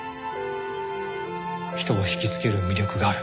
人を引きつける魅力がある。